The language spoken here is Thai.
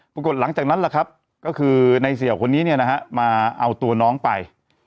ปรากฏหลังจากนั้นล่ะครับก็คือในเสี่ยวคนนี้เนี่ยนะฮะมาเอาตัวน้องไป